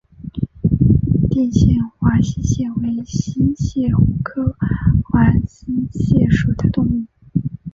定县华溪蟹为溪蟹科华溪蟹属的动物。